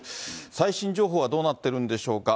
最新情報はどうなってるんでしょうか。